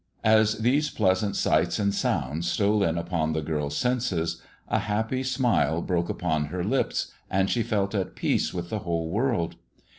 As these pleasant sights and sounds stole in upon the girl's senses, a happy smile broke upon her lips and she felt at peace with the whole world.